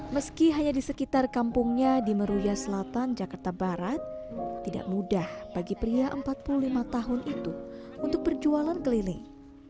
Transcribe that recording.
meski hanya di sekitar kampungnya di meruya selatan jakarta barat tidak mudah bagi pria empat puluh lima tahun itu untuk berjualan keliling